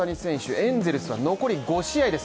エンゼルスは残り５試合です。